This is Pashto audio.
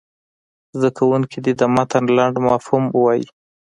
زده کوونکي دې د متن لنډ مفهوم ووایي.